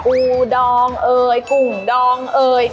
อูดองเอ่ยกุ่งดองเอ่ย